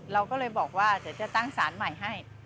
เราก็เลยบอกว่าเดี๋ยวจะตั้งสารใหม่ให้